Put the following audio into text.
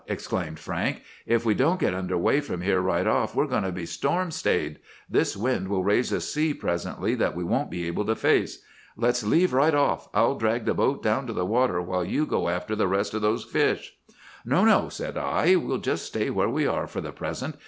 exclaimed Frank. 'If we don't get away from here right off, we're going to be storm stayed! This wind will raise a sea presently that we won't be able to face. Let's leave right off! I'll drag the boat down to the water, while you go after the rest of those fish.' "'No, no!' said I. 'We'll just stay where we are for the present.